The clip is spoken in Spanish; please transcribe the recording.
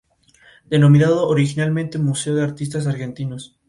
La nebulosa de la Lechuza consiste en la envoltura expulsada por una estrella moribunda.